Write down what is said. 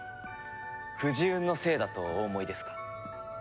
くじ運のせいだとお思いですか？